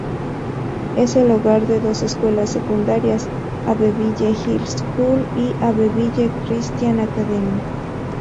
Es el hogar de dos escuelas secundarias: Abbeville High School y Abbeville Christian Academy.